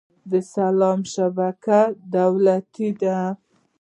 د سلام شبکه دولتي ده؟